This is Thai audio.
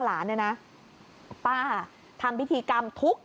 ป้าของน้องธันวาผู้ชมข่าวอ่อน